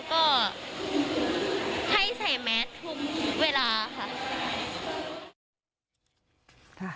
ก็ให้ใส่แมตท์ทุ่มเวลาค่ะ